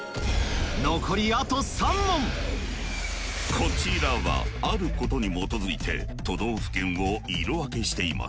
残りあと３問こちらはあることに基づいて都道府県を色分けしています